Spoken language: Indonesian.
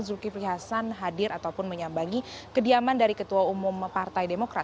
zulkifli hasan hadir ataupun menyambangi kediaman dari ketua umum partai demokrat